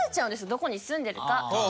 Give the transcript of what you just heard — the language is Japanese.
どこに住んでるか。